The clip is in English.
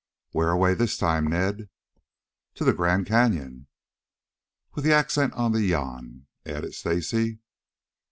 "Where away this time, Ned?" "To the Grand Canyon " "With the accent on the yon," added Stacy.